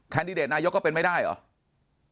ดิเดตนายกก็เป็นไม่ได้เหรอ